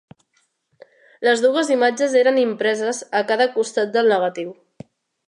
Les dues imatges eren impreses a cada costat del negatiu.